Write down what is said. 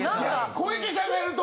小池さんがやると。